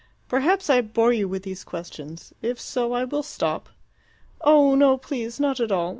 "Perhaps I bore you with these questions. If so, I will stop." "Oh, no, please; not at all.